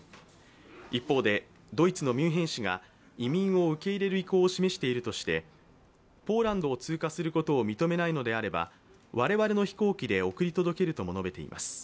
一方で、ドイツのミュンヘン市が移民を受け入れる意向を示しているとして、ポーランドを通過することを認めないのであれば我々の飛行機で送り届けるとも述べています。